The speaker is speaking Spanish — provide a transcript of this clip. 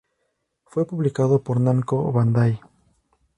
Fue publicado por Namco Bandai.